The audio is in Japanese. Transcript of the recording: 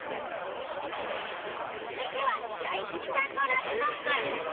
続いては大吉さんのラブソング。